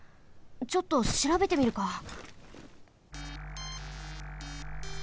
ちょっとしらべてみるか。